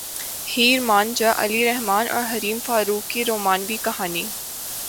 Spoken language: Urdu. ہیر مان جا علی رحمن اور حریم فاروق کی رومانوی کہانی